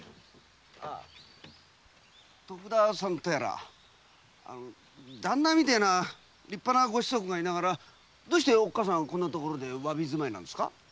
徳田さんとやら旦那みたいな立派なご子息がいながらどうしておっかさんはこんな所で侘び住まいなんです？